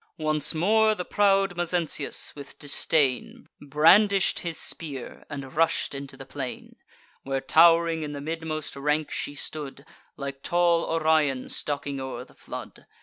Once more the proud Mezentius, with disdain, Brandish'd his spear, and rush'd into the plain, Where tow'ring in the midmost rank he stood, Like tall Orion stalking o'er the flood.